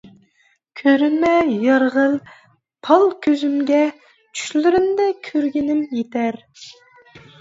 كۆرۈنمە يار غىل-پال كۆزۈمگە، چۈشلىرىمدە كۆرگىنىم يېتەر.